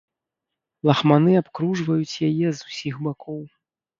Лахманы абкружваюць яе з усіх бакоў.